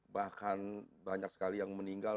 bahkan banyak sekali yang meninggal